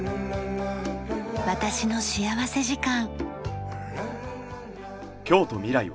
『私の幸福時間』。